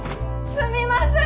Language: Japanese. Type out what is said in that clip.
すみません！